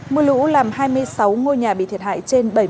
mưa lũ làm hai mươi sáu ngôi nhà bị thiệt hại trên bảy mươi